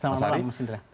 selamat malam mas indra